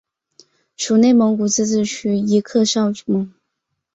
属内蒙古自治区伊克昭盟。